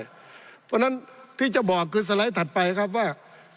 เพราะฉะนั้นที่จะบอกคือสไลด์ถัดไปครับว่า